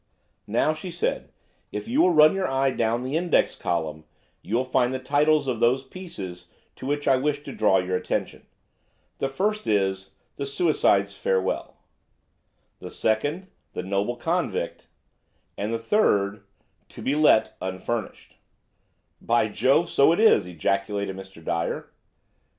"Now," she said, "if you will run your eye down the index column you will find the titles of those pieces to which I wish to draw your attention. The first is 'The Suicide's Farewell;' the second, 'The Noble Convict;' the third, 'To be Let, Unfurnished.'" "By Jove! so it is!" ejaculated Mr. Dyer.